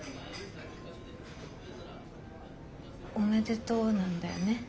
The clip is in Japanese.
「おめでとう」なんだよね？